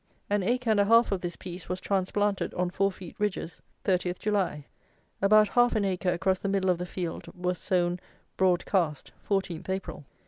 An acre and a half of this piece was transplanted on four feet ridges 30th July. About half an acre across the middle of the field was sown broad cast 14th April.